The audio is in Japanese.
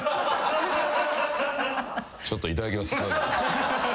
ちょっといただきます。